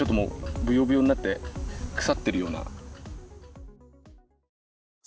ぶよぶよになって腐っているような。